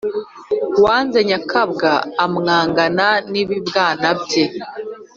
Uwanze nyakabwa ,amwangana n’ibibwana bye.